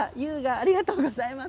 ありがとうございます。